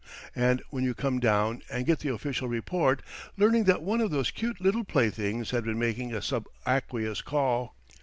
And when you come down and get the official report, learning that one of those cute little playthings had been making a subaqueous call.